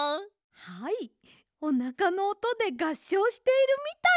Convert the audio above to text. はいおなかのおとでがっしょうしているみたいでした。